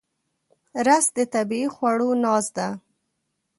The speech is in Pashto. رس د طبیعي خواړو ناز ده